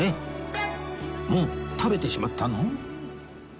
もう食べてしまったの？